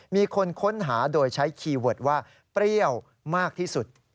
มีคนค้นหาโดยใช้คีย์เวิร์ดว่าเปรี้ยวมากที่สุด